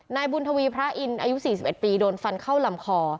นายบุญทวีพระอินทร์อายุ๔๑ปีโดนฟันเข้าลำคอ